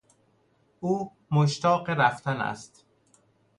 او مشتاق رفتن است.